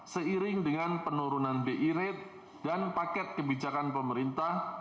seiring dengan penurunan bi rate dan paket kebijakan pemerintah